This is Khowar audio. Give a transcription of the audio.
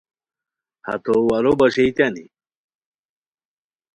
ہتو وارو باشئیتانی